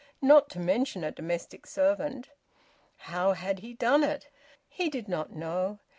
(Not to mention a domestic servant.) ... How had he done it? He did not know.